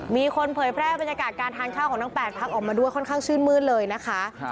มีคนเผยแพร่บรรยากาศการทานข้าวของทั้ง๘พักออกมาด้วยค่อนข้างชื่นมืดเลยนะคะ